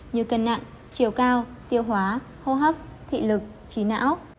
như cân nặng chiều cao tiêu hóa hô hấp thị lực trí não